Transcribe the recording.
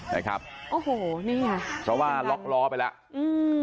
นะครับโอ้โหนี่ไงเพราะว่าล็อกล้อไปแล้วอืม